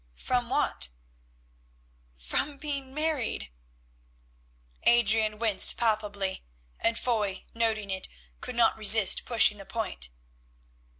"From what?" "From being married." Adrian winced palpably, and Foy, noting it, could not resist pushing the point.